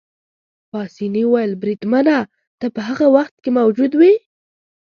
پاسیني وویل: بریدمنه، ته په هغه وخت کې موجود وې؟